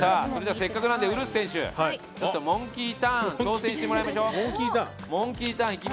せっかくなんで、ウルフ選手、モンキーターン挑戦してもらいましょう。